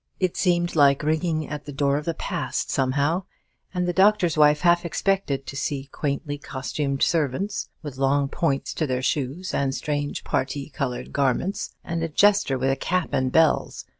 It seemed like ringing at the door of the Past, somehow; and the Doctor's Wife half expected to see quaintly costumed servants, with long points to their shoes and strange parti coloured garments, and a jester with a cap and bells, when those great gates were opened.